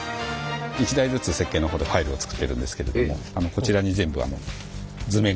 一台ずつ設計のほうでファイルを作っているんですけれどもこちらに図面？